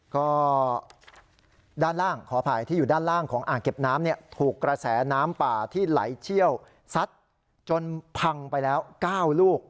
ก็ด้านล่างขออภัยที่อยู่ด้านล่างของอ่างเก็บน้ำเนี่ยถูกกระแสน้ำป่าที่ไหลเชี่ยวซัดจนพังไปแล้ว๙ลูก